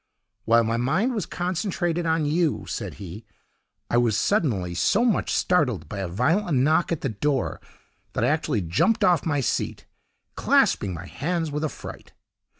"While my mind was concentrated on you," said he, "I was suddenly so much startled by a violent knock at the door, that I actually jumped off my seat, clasping my hands with affright.